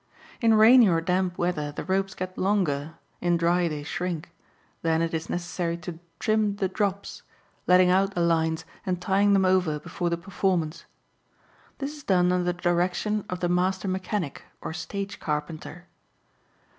In rainy or damp weather the ropes get longer; in dry they shrink; then it is necessary to "trim the drops," letting out the lines and tying them over before the performance. This is done under the direction of the master mechanic or stage carpenter.